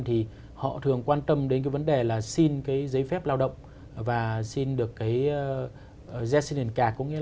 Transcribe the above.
thì họ thường quan trâm đến cái vấn đề là xin cái giấy phép lao động và xin được cái gscnc